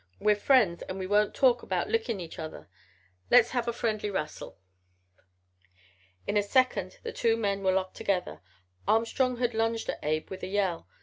We're friends an' we won't talk about lickin' each other. Le's have a friendly rassle.' "In a second the two men were locked together. Armstrong had lunged at Abe with a yell.